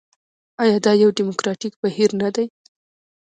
آیا دا یو ډیموکراټیک بهیر نه دی؟